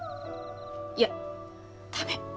いや駄目。